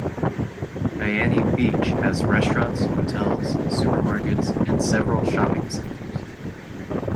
Diani Beach has restaurants, hotels, supermarkets, and several shopping centres.